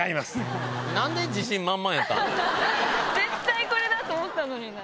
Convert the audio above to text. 絶対これだと思ったのにな。